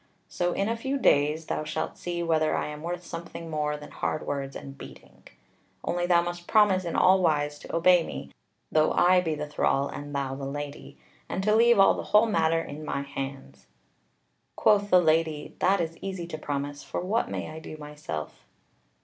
So in a few days thou shalt see whether I am worth something more than hard words and beating. Only thou must promise in all wise to obey me, though I be the thrall, and thou the Lady, and to leave all the whole matter in my hands." Quoth the Lady: "That is easy to promise; for what may I do by myself?"